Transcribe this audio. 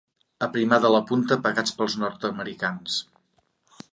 Aprimar de la punta pagats pels nord-americans.